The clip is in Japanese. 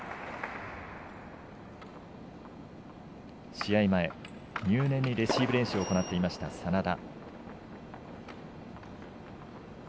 試合前、入念にレシーブ練習を行っていた眞田。